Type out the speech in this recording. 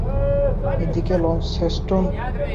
এই দিকে লন্সেস্টন?